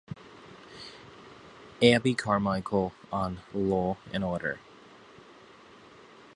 Abbie Carmichael on "Law and Order".